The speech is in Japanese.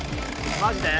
マジで？